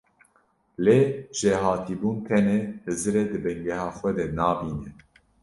Lê jêhatîbûn tenê hizirê di bingeha xwe de nabîne.